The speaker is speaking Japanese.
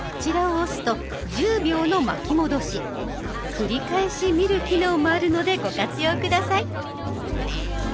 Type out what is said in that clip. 繰り返し見る機能もあるのでご活用下さい。